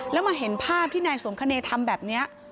แล้วมาเห็นภาพที่นายสมคเนย์ทำแบบนี้